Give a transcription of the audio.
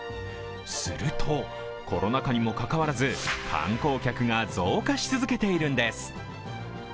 すると、コロナ禍にもかかわらず観光客が増加し続けているんです。